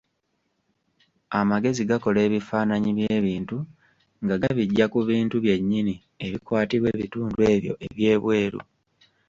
Amagezi gakola ebifaananyi by'ebintu nga gabiggya ku bintu byennyini, ebikwatibwa ebitundu ebyo eby'ebweru.